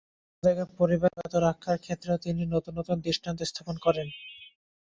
ক্ষমতাকে পরিবারের মধ্যে কুক্ষিগত রাখার ক্ষেত্রেও তিনি নতুন নতুন দৃষ্টান্ত স্থাপন করেন।